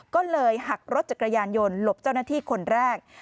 ก็เลยหักรถจักรยานยนต์หลบเจ้าหน้าที่คนแรก